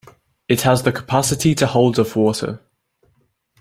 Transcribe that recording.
It has the capacity to hold of water.